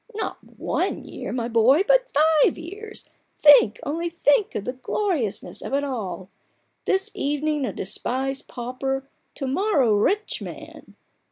" Not one year, my boy, but five years ! Think, only think, of the gloriousness of it all ! This evening a despised pauper, to morrow a rich man